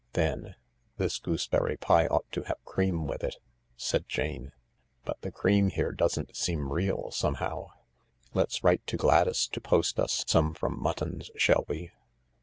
Then :" This gooseberry pie ought to have cream withit," said Jane ;" but the cream here doesn't seem real somehow. Let's write to Gladys to post us some from Mutton's, shall we